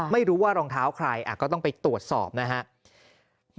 ไม่รู้ว่ารองเท้าใครก็ต้องไปตรวจสอบนะครับ